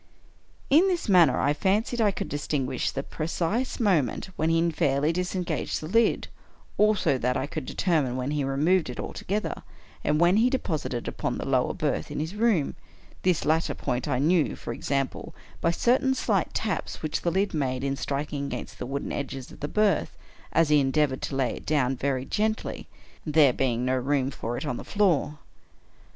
In this manner I fancied I could distinguish the precise moment when he fairly disengaged the lid — also, that I could determine when he removed it altogether, and when he deposited it upon the lower berth in his room; this latter point I knew, for example, by certain slight taps which the lid made in striking against the wooden edges of the berth, as he endeavored to lay it down very gently — there being no room for it on the floor.